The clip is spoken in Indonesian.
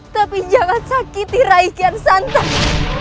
tapi jangan sakiti rakyat sant lima